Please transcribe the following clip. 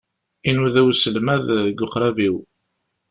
Inuda uselmad deg uqrab-iw.